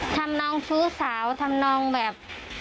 ทำนองฟู้สาวทำนองแบบ